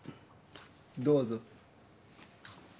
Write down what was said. どうぞ。